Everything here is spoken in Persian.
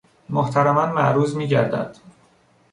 محترما معروض میگردد